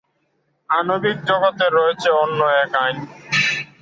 আণবিক জগতের রয়েছে অন্য এক আইন।